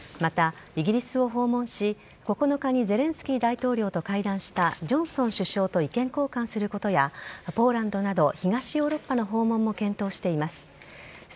また、イギリスを訪問し９日にゼレンスキー大統領と会談したジョンソン首相と意見交換することやポーランドなど東ヨーロッパの訪問も検討しています。